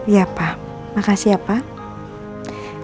ya pak makasih ya pak